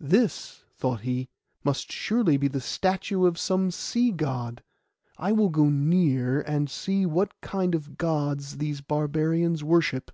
'This,' thought he, 'must surely be the statue of some sea God; I will go near and see what kind of Gods these barbarians worship.